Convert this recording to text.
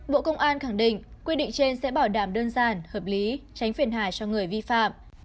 bộ công an khẳng định quy định trên sẽ bảo đảm đơn giản hợp lý tránh phiền hà cho người vi phạm